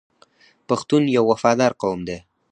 پښتون یو وفادار قوم دی.